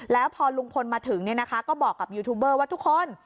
แล้วพอลุงพลมาถึงก็บอกกับยูทูบเบอร์ว่าทุกคน